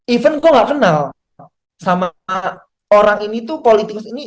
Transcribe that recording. even kok nggak kenal sama orang ini tuh politikus ini